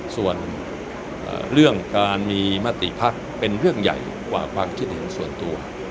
ส่วนเรื่องการมีมติภักดิ์เป็นเรื่องใหญ่กว่าความคิดเห็นส่วนตัว